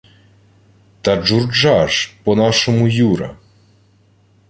— Та Джурджа ж. По-нашому Юра.